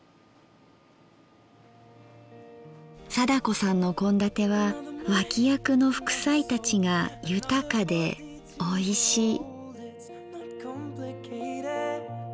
貞子さんの献立は脇役の副菜たちが豊かでおいしい。